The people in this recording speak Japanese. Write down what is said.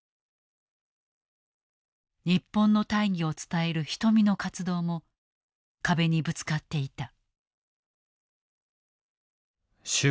日本の大義を伝える人見の活動も壁にぶつかっていた。